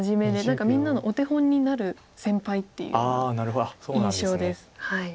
何かみんなのお手本になる先輩っていうような印象です。